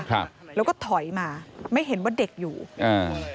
ครับแล้วก็ถอยมาไม่เห็นว่าเด็กอยู่อ่า